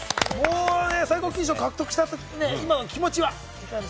最高金賞を獲得した今の気持ちは？